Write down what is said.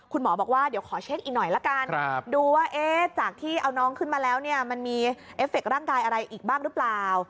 คุณหมอบอกว่าเดี๋ยวขอเช็คอีกหน่อยละกันดูว่าจากที่เอาน้องขึ้นมาแล้วเนี่ยมันมีเอฟเคร่างกายอะไรอีกบ้างหรือเปล่า